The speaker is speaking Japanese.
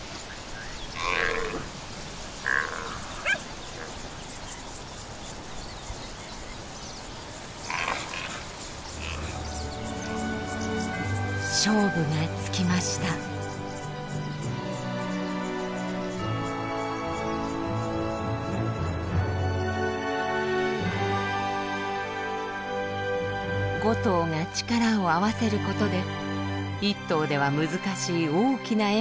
５頭が力を合わせることで１頭では難しい大きな獲物も取れるのです。